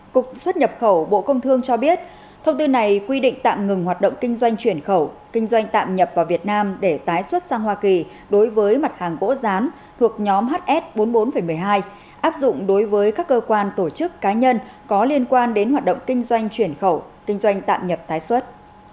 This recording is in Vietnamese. cục xuất nhập khẩu bộ công thương cho biết thông tư này quy định tạm ngừng hoạt động kinh doanh chuyển khẩu kinh doanh tạm nhập vào việt nam để tái xuất sang hoa kỳ đối với mặt hàng gỗ rán thuộc nhóm hs bốn mươi bốn một mươi hai áp dụng đối với các cơ quan tổ chức cá nhân có liên quan đến hoạt động kinh doanh chuyển khẩu kinh doanh tạm nhập tái xuất